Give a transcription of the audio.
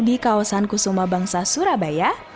di kawasan kusuma bangsa surabaya